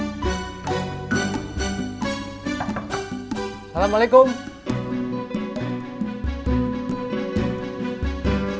oh kamu mau ke cidahu